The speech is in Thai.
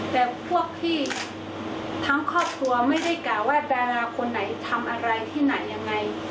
แต่พวกพี่ทั้งครอบครัวไม่ได้กล่าวว่าดาราคนไหนทำอะไรที่ไหนยังไง